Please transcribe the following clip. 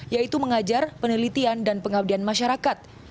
yaitu mengajar penelitian dan pengabdian masyarakat